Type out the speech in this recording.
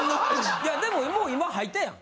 いやでももう今吐いたやん。